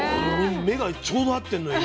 目がちょうど合ってんの今。